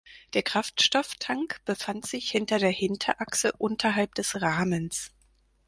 Der Kraftstofftank befand sich hinter der Hinterachse unterhalb des Rahmens.